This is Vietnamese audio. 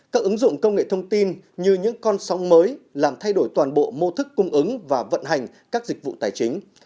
các ứng dụng công nghệ thông tin như những con sóng mới làm thay đổi toàn bộ mô thức cung ứng và vận hành các dịch vụ tài chính